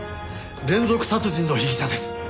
連続殺人の被疑者です。